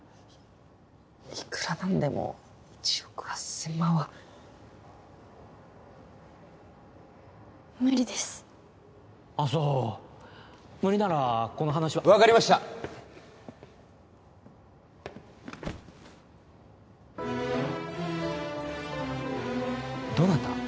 いくら何でも１億８千万は無理ですあそう無理ならこの話は分かりましたどなた？